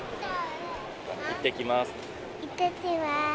いってきます。